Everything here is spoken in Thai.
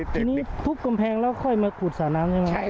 ทีนี้ทุบกำแพงแล้วค่อยมาขุดสระน้ำใช่ไหม